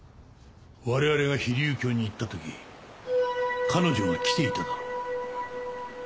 我々が飛龍橋に行った時彼女が来ていただろ。